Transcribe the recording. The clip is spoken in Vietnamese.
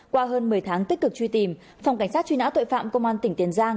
qua hơn một mươi tháng tích cực truy tìm phòng cảnh sát truy nã tội phạm công an tỉnh tiền giang